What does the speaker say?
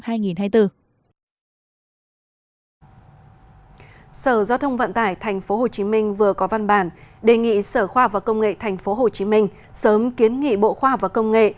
sở giao thông vận tải tp hcm vừa có văn bản đề nghị sở khoa và công nghệ tp hcm sớm kiến nghị bộ khoa học và công nghệ